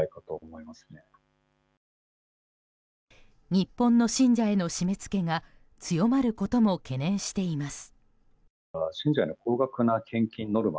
日本の信者への締め付けが強まることも懸念しています。